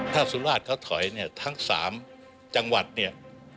ถ้าสุราชเขาถอยเนี่ยทั้ง๓จังหวัดเนี่ย